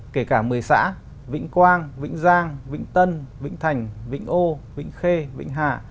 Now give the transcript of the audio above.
kể cả một mươi xã vĩnh quang vĩnh giang vĩnh tân vĩnh thành vĩnh âu vĩnh khê vĩnh hà